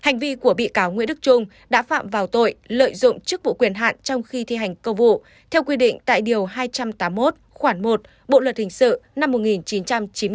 nên có lợi dụng chức vụ quyền hạn trong khi thi hành công vụ theo quy định tài khoản một điều hai trăm tám mươi một bộ luật hình sự năm một nghìn chín trăm chín mươi chín